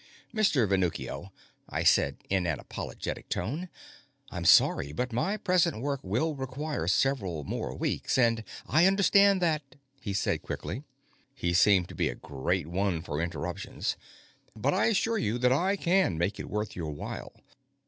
"Mr. Venuccio," I said in an apologetic tone, "I'm sorry, but my present work will require several more weeks, and " "I understand that," he said quickly. He seemed to be a great one for interruptions. "But I assure you that I can make it worth your while.